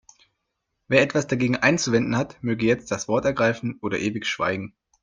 Wer etwas dagegen einzuwenden hat, möge jetzt das Wort ergreifen oder ewig schweigen.